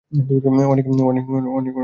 অনেক চিল্লাপাল্লা হচ্ছে।